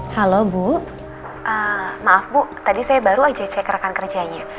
halo bu maaf bu tadi saya baru aja cek rekan kerjanya